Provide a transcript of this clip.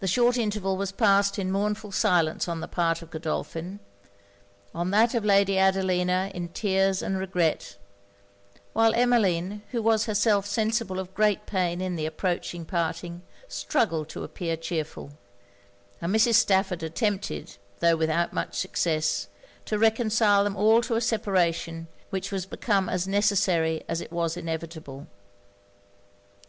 The short interval was passed in mournful silence on the part of Godolphin on that of Lady Adelina, in tears and regret; while Emmeline, who was herself sensible of great pain in the approaching parting, struggled to appear chearful; and Mrs. Stafford attempted, tho' without much success, to reconcile them all to a separation which was become as necessary as it was inevitable.